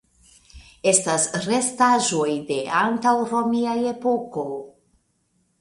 Estas restaĵoj de antaŭromia epoko.